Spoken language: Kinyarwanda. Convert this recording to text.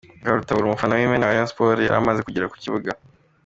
Rwarutabura umufana w'imena wa Rayon Sports yari yamaze kugera ku kibuga.